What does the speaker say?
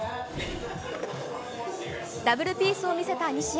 ダブルピースを見せた西矢。